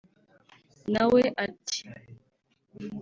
nawe ati